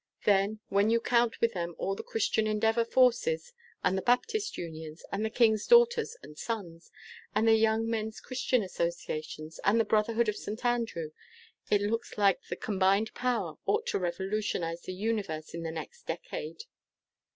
Then, when you count with them all the Christian Endeavor forces, and the Baptist Unions, and the King's Daughters and Sons, and the Young Men's Christian Associations, and the Brotherhood of St. Andrew, it looks like the combined power ought to revolutionize the universe in the next decade."